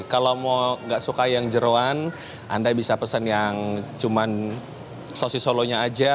kalau mau gak suka yang jeruan anda bisa pesen yang cuman sosisolonya aja